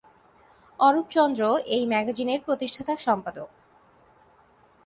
অরূপ চন্দ্র এই ম্যাগাজিনের প্রতিষ্ঠাতা সম্পাদক।